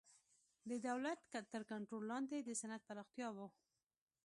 د دولت تر کنټرول لاندې د صنعت پراختیا و.